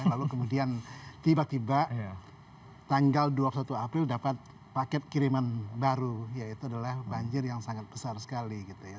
lalu kemudian tiba tiba tanggal dua puluh satu april dapat paket kiriman baru yaitu adalah banjir yang sangat besar sekali gitu ya